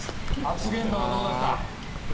初現場はどうだった？